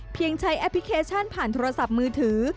ใช้แอปพลิเคชันผ่านโทรศัพท์มือถือ